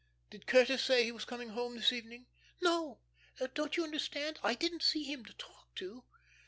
"Did Curtis say he was coming home this evening?" "No. Don't you understand, I didn't see him to talk to."